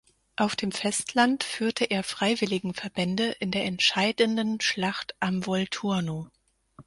Auf dem Festland führte er Freiwilligenverbände in der entscheidenden Schlacht am Volturno.